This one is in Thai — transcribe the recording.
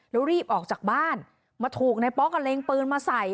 แล้วรีบออกจากบ้านมาถูกนายป๊อกอ่ะเล็งปืนมาใส่